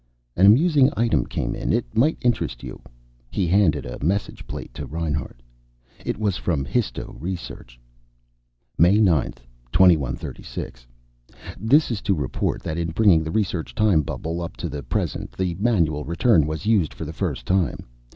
"An amusing item came in. It might interest you." He handed a message plate to Reinhart. It was from histo research: May 9, 2136 This is to report that in bringing the research time bubble up to the present the manual return was used for the first time.